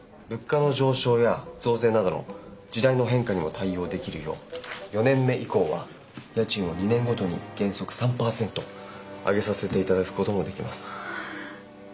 物価の上昇や増税などの時代の変化にも対応できるよう４年目以降は家賃を２年ごとに原則３％上げさせていただくこともできます。